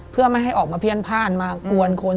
เพื่อไม่ให้ออกมาเพี้ยนพ่านมากวนคน